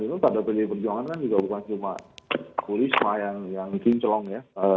itu pada pdi perjuangan kan juga bukan cuma bu risma yang kinclong ya